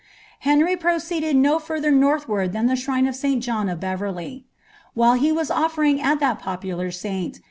Henry proceeded no further northward than the ahrine of 9l JoIid rf Beverley. While he was □flerinE[' to thai p"pular saiui.